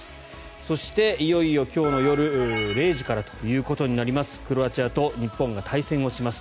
そして、いよいよ今日の夜０時からとなりますクロアチアと日本が対戦をします。